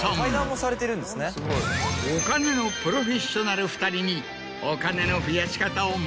お金のプロフェッショナル２人に。